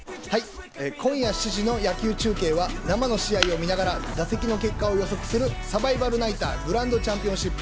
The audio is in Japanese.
今夜７時の野球中継は生の試合を見ながら打席の結果を予測するサバイバルナイターグランドチャンピオンシップ。